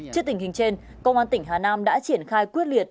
trước tình hình trên công an tỉnh hà nam đã triển khai quyết liệt